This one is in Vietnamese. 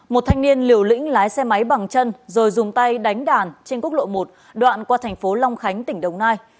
một thanh niên liều lĩnh lái xe máy bằng chân rồi dùng tay đánh đàn trên quốc lộ một đoạn qua thành phố long khánh tỉnh đồng nai